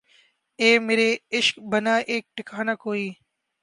اے مرے عشق بنا ایک ٹھکانہ کوئی